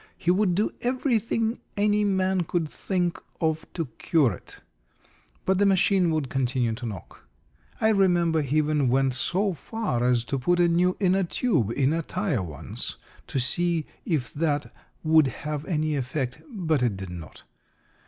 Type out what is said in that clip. He would do everything any man could think of to cure it, but the machine would continue to knock. I remember he even went so far as to put a new inner tube in a tire once, to see if that would have any effect, but it did not.